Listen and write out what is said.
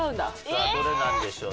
さあどれなんでしょうね。